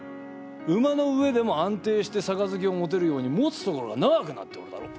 馬の上でも安定してさかずきを持てるように持つところが長くなっておるだろ？